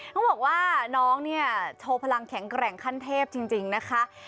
เขาบอกว่าน้องเนี่ยโชว์พลังแข็งแกร่งขั้นเทพจริงนะคะ